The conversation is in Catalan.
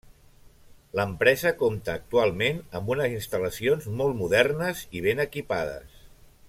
L'empresa compta actualment amb unes instal·lacions molt modernes i ben equipades.